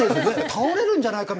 倒れるんじゃないかみたいな。